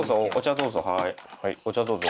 お茶どうぞ。